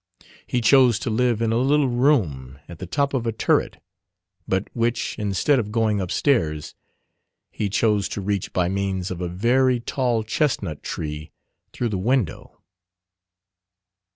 He chose to live in a little room at the top of a turret; but which, instead of going upstairs, he chose to reach by means of a very tall chestnut tree, through the window.